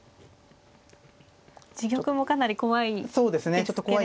自玉もかなり怖いですけれど。